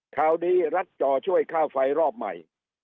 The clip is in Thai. ข่าวดีรัฐจอช่วยค่าไฟรอบใหม่